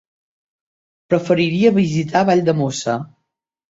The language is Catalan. Preferiria visitar Valldemossa.